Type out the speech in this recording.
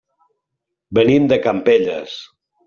Venim de Campelles.